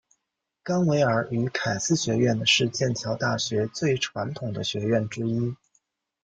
冈维尔与凯斯学院是剑桥大学最传统的学院之一。